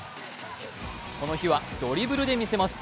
この日は、ドリブルで見せます。